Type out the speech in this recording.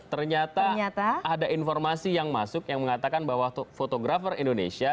ternyata ada informasi yang masuk yang mengatakan bahwa fotografer indonesia